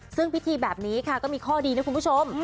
ซึ่งพิธีแบบนี้ค่ะก็มีข้อดีนะคุณผู้ชม